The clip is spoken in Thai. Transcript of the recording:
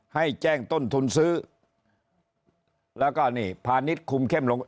ให้แจ้งต้นทุนซื้อแล้วก็นี่พาณิชย์คุมเข้มลง